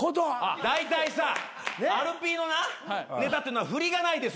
だいたいさアルピーのなネタっていうのは振りがないですわ。